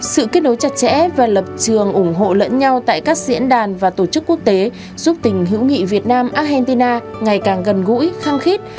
sự kết nối chặt chẽ và lập trường ủng hộ lẫn nhau tại các diễn đàn và tổ chức quốc tế giúp tình hữu nghị việt nam argentina ngày càng gần gũi khăng khít